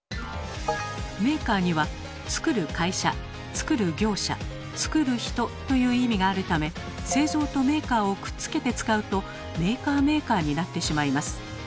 「メーカー」には「作る会社作る業者作る人」という意味があるため「製造」と「メーカー」をくっつけて使うと「メーカーメーカー」になってしまいます。